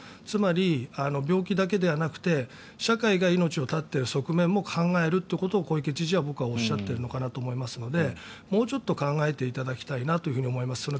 つまり、病気だけではなくて社会が命を絶っている側面も考えるということも小池知事はおっしゃっているのかなと僕は思いますのでもうちょっと考えていただきたいと思います。